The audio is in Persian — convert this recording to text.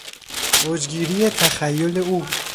اوجگیری تخیل او